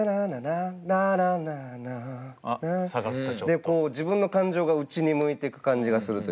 でこう自分の感情が内に向いてく感じがするというか。